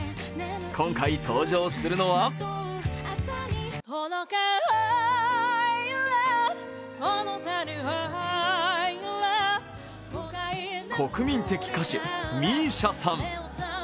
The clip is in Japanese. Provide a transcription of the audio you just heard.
今回、登場するのは国民的歌手、ＭＩＳＩＡさん。